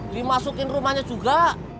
dimasukin rumahnya juga